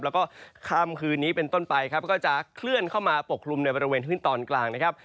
แล้วก็ค่ำคืนนี้เป็นต้นไปครับก็จะเคลื่อนเข้ามาปกคลุมในบริเวณพื้นที่ตอนกลางนะครับ